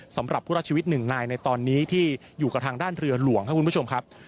สำหรับผู้รอดชีวิตหนึ่งนายในตอนนี้ที่อยู่กับทางด้านเรือหลวงครับคุณผู้ชมครับ